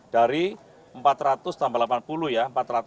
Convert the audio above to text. dari empat ratus tambah delapan puluh ya